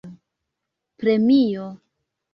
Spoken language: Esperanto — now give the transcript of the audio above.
premio